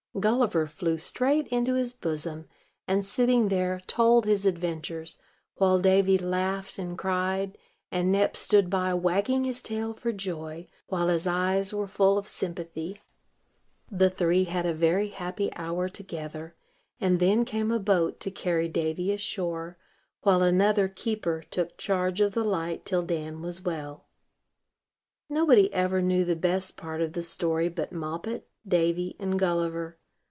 Gulliver flew straight into his bosom, and, sitting there, told his adventures; while Davy laughed and cried, and Nep stood by, wagging his tail for joy, while his eyes were full of sympathy. The three had a very happy hour together, and then came a boat to carry Davy ashore, while another keeper took charge of the light till Dan was well. Nobody ever knew the best part of the story but Moppet, Davy, and Gulliver.